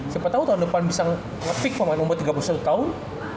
siapa tau tahun depan bisa nge fix pemain umur tiga belas tahun